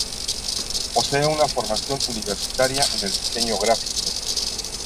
Posee una formación universitaria en el diseño gráfico.